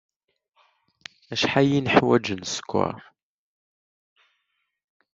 Acḥal ay neḥwaj n sskeṛ?